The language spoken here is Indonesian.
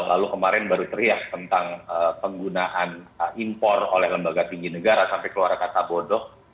lalu kemarin baru teriak tentang penggunaan impor oleh lembaga tinggi negara sampai keluar kata bodoh